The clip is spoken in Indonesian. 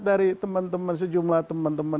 dari teman teman sejumlah teman teman